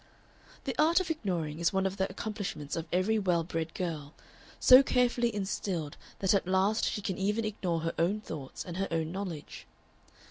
The art of ignoring is one of the accomplishments of every well bred girl, so carefully instilled that at last she can even ignore her own thoughts and her own knowledge.